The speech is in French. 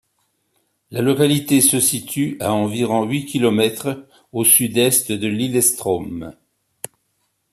La localité se situe à environ huit kilomètres au sud-est de Lillestrøm.